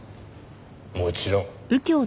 もちろん。